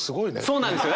そうなんですよ！